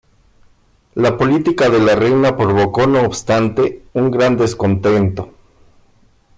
La política de la reina provocó, no obstante, un gran descontento.